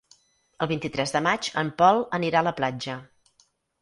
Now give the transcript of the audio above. El vint-i-tres de maig en Pol anirà a la platja.